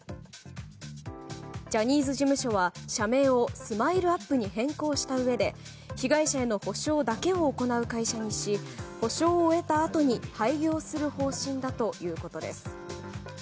ジャニーズ事務所は社名をＳＭＩＬＥ‐ＵＰ．に変更したうえで被害者への補償だけを行う会社にし補償を終えたあとに廃業する方針だということです。